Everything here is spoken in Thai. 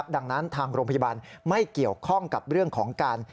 ดังนั้นทางโรงพยาบาลไม่เกี่ยวข้องกับเรื่องของการ